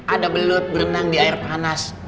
ada belut berenang di air panas